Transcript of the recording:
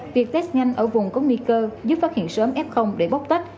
việc test nhanh ở vùng có nguy cơ giúp phát hiện sớm f để bóc tách